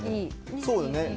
そうよね。